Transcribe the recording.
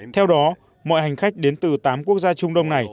theo đó mọi hành khách đến từ tám quốc gia trung đông này